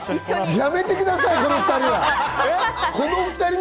やめてください、この２人は。